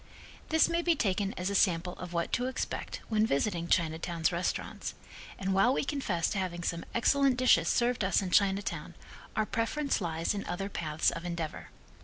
This may be taken as a sample of what to expect when visiting Chinatown's restaurants, and while we confess to having some excellent dishes served us in Chinatown, our preference lies in other paths of endeavor.